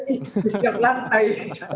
di setiap lantai